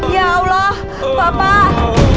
ya allah bapak